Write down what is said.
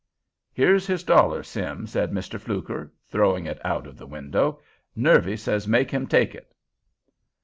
"Here's his dollar, Sim," said Mr. Fluker, throwing it out of the window. "Nervy say make him take it."